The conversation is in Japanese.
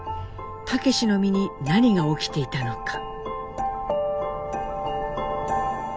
武の身に何が起きていたのか。